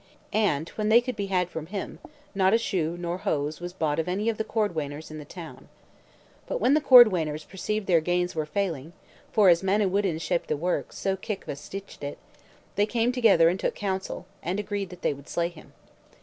And when they could be had from him, not a shoe nor hose was bought of any of the cordwainers in the town. But when the cordwainers perceived that their gains were failing (for as Manawyddan shaped the work, so Kicva stitched it), they came together and took counsel, and agreed that they would slay them.